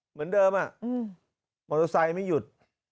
เหมือนเดิมอ่ะอืมมอเตอร์ไซด์ไม่หยุด